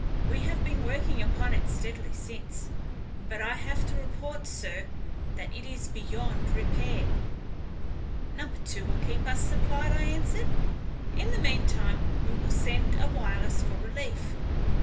We have been working upon it steadily since; but I have to report, sir, that it is beyond repair." "Number two will keep us supplied," I answered. "In the meantime we will send a wireless for relief."